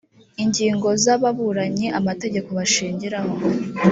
ingingo z ababuranyi amategeko bashingiraho